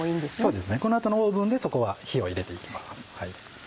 そうですねこの後のオーブンでそこは火を入れていきます。